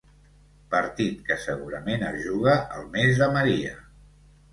Partit que segurament es juga el mes de Maria.